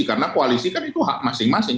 karena koalisi kan itu hak masing masing